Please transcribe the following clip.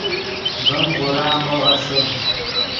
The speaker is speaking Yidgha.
ڤیم غورا مو غیݰے